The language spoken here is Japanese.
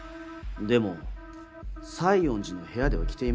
でも西園寺の部屋では着ていました。